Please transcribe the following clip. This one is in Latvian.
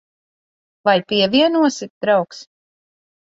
Vai pievienosi, draugs?